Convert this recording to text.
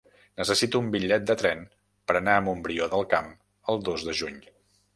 Necessito un bitllet de tren per anar a Montbrió del Camp el dos de juny.